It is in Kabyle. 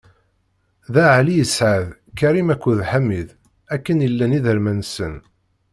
Dda Ɛli isɛa-d: Karim akked Ḥamid, akken i llan iderman-nsen.